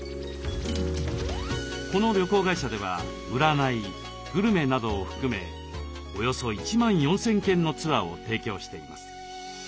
この旅行会社では占いグルメなどを含めおよそ１万４，０００件のツアーを提供しています。